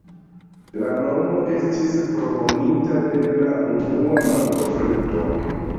La nomo estis proponita de la unua malkovrinto.